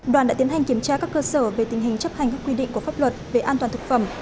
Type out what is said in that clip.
đoàn đã tiến hành kiểm tra các cơ sở về tình hình chấp hành các quy định của pháp luật về an toàn thực phẩm